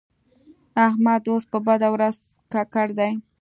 احمد اوس په بده ورځ ککړ دی.